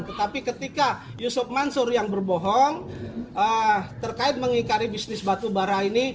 tetapi ketika yusuf mansur yang berbohong terkait mengikari bisnis batu bara ini